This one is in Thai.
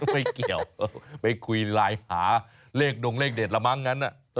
ไม่เกี่ยวไปคุยไลน์หาเลขดงเลขเด็ดละมั้งงั้น